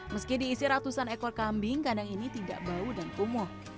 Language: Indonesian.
meski diisi ratusan ekor kambing kandang ini tidak bau dan kumuh